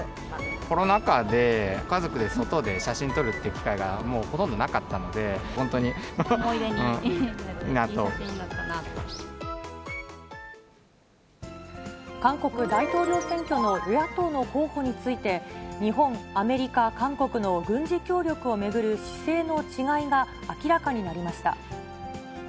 コロナ禍で、家族で外で写真を撮るという機会がもうほとんどなかったので、思い出、韓国大統領選挙の与野党の候補について、日本、アメリカ、韓国の軍事協力を巡る姿勢の違いが明らかになりました。